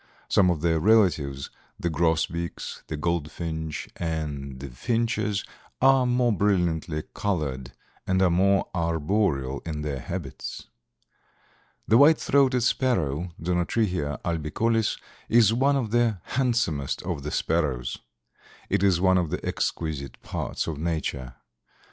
Some of their relatives, the grosbeaks, the goldfinch and the finches, are more brilliantly colored and are more arboreal in their habits. The White throated Sparrow (Zonotrichia albicollis) is one of the handsomest of the sparrows. It is one of the exquisite parts of nature.